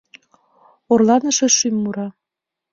Орланыше шӱм мура.